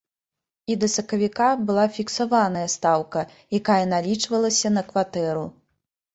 І да сакавіка была фіксаваная стаўка, якая налічвалася на кватэру.